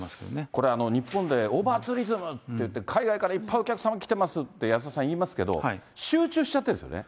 これ、日本でオーバーツーリズムっていって、海外からいっぱいお客さん来てますって、安田さん、言いますけど、集中しちゃってるんですよね。